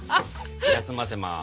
休ませます。